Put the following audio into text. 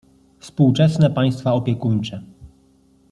Współczesne państwa opiekuńcze.